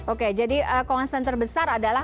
oke jadi concern terbesar adalah